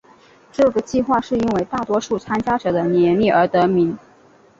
这个计画是因为大多数参加者的年龄而得名。